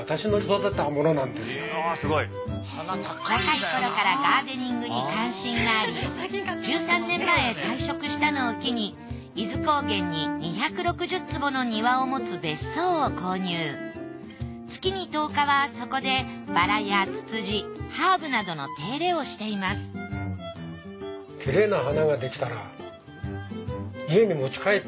若い頃からガーデニングに関心があり１３年前退職したのを機に月に１０日はそこでバラやツツジハーブなどの手入れをしています実は。